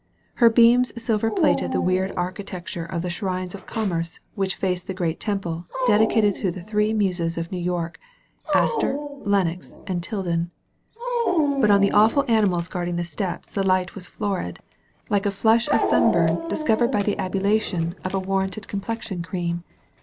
Her beams silver plated the weird architecture of the shrines of Commerce which face the great Temple dedicated to the Three Muses of New York — Astor, Lenox, and TUden. But on the awful animals guarding the steps the light was florid, like a flush of sunburn discovered 222 DIANA AND THE LIONS by the ablution (d a warranted complexion cream.